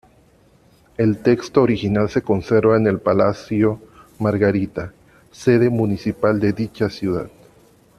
El texto original se conserva en el palacio Margarita, sede municipal de dicha ciudad.